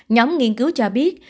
nhóm nghiên cứu cho biết